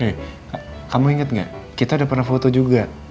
hei kamu inget gak kita udah pernah foto juga